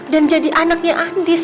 dan jadi anaknya andis